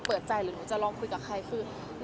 เปิดใจหรือลองคุยกันกับใคร